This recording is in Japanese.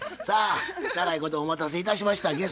さあ長いことお待たせいたしました。